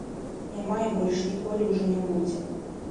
Няма і больш ніколі ўжо не будзе.